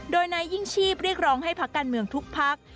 โดยนายยิ่งชีพเรียกร้องให้พักการเมืองทุกพัก